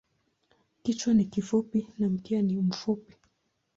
Kichwa ni kifupi na mkia ni mfupi.